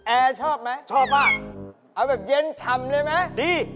แอร์ชอบไหมชอบมากเอาแบบเย็นฉ่ำเลยไหมดี